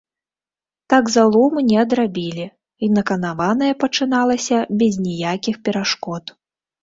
Так залому не адрабілі, й наканаванае пачыналася без ніякіх перашкод.